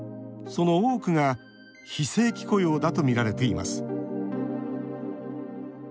その多くが非正規雇用だとみられています。